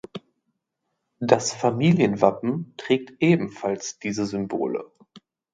Das Familienwappen trägt ebenfalls diese Symbole.